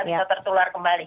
bisa tertular kembali